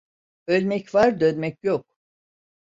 Ölmek var, dönmek yok.